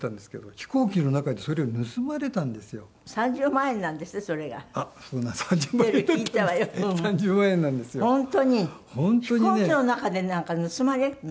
飛行機の中でなんか盗まれるの？